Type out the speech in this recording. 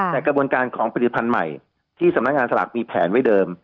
แต่กระบวนการของผลิตภัณฑ์ใหม่ที่สำนักงานสลากมีแผนไว้เดิม